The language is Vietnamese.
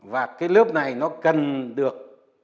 và cái lớp này nó cần được